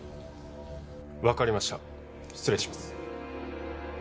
分かりました失礼します